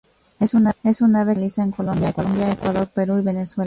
Es un ave que se localiza en Colombia, Ecuador, Perú y Venezuela.